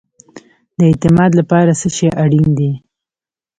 د اعتماد لپاره څه شی اړین دی؟